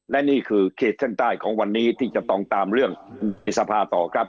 และนี่คือเขตเส้นใต้ของวันนี้ที่จะต้องตามเรื่องในสภาต่อครับ